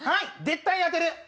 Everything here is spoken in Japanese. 絶対当てる！